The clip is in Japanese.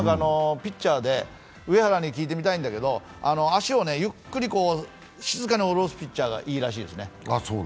ピッチャーで、上原に聞いてみたいんだけど、足をゆっくり静かに下ろすピッチャーがいいらしいですね。